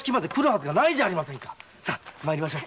さぁ参りましょう。